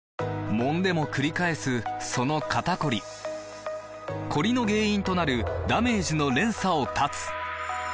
もんでもくり返すその肩こりコリの原因となるダメージの連鎖を断つ！